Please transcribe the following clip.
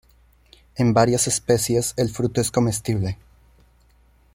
En varias especies el fruto es comestible.